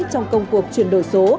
trong công cuộc truyền đổi số